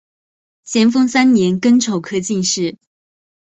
咸丰三年癸丑科进士。